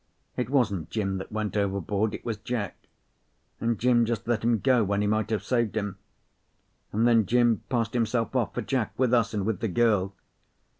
It wasn't Jim that went overboard; it was Jack, and Jim just let him go when he might have saved him; and then Jim passed himself off for Jack with us, and with the girl.